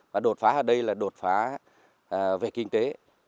và đột phá ở đây là đột phá về kinh tế